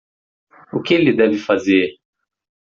O que ele deve fazer?